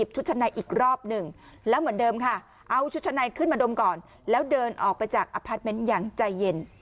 ชุดชั้นในอีกรอบหนึ่งแล้วเหมือนเดิมค่ะเอาชุดชั้นในขึ้นมาดมก่อนแล้วเดินออกไปจากอพาร์ทเมนต์อย่างใจเย็น